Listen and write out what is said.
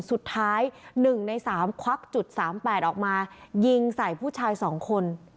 สุดท้าย๑ใน๓ควักจุด๓๘ออกมายิงใส่ผู้ชาย๒คน